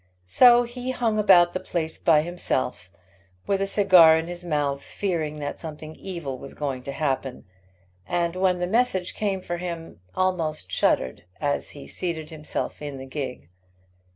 So he hung about the place by himself, with a cigar in his mouth, fearing that something evil was going to happen, and when the message came for him, almost shuddered as he seated himself in the gig.